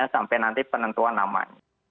sampai nanti penentuan namanya